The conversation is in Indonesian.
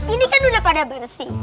ini kan udah pada bersih